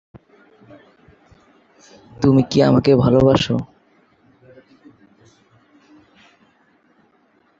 ঢাকার গৌরবোজ্জ্বল ঐতিহ্যের স্মারক এ ময়দান।